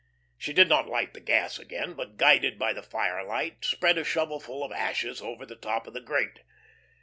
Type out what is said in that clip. She did not light the gas again, but guided by the firelight, spread a shovelful of ashes over the top of the grate.